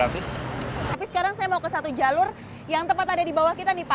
tapi sekarang saya mau ke satu jalur yang tepat ada di bawah kita nih pak